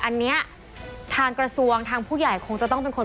อันนี้ทางกระทรวงทางผู้ใหญ่คงจะต้องเป็นคน